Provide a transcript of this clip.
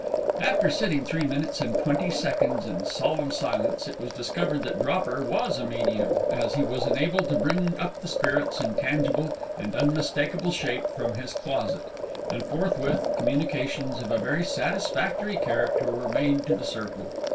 After sitting three minutes and twenty seconds in solemn silence, it was discovered that Dropper was a medium, as he was enabled to bring up the spirits in tangible and unmistaken shape from his closet, and forthwith communications of a very satisfactory character were made to the circle.